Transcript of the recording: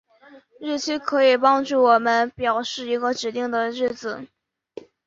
日期可以帮助我们表示一个指定的日子。